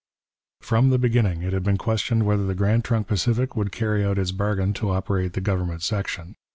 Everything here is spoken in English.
From the beginning it had been questioned whether the Grand Trunk Pacific would carry out its bargain to operate the government section.